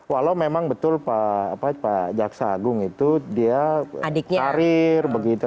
walau memang betul pak jaksa agung itu dia karir begitu